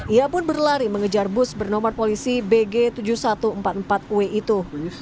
ia pun berlari mengejar bus bernomor polisi bg tujuh ribu satu ratus empat puluh empat w itu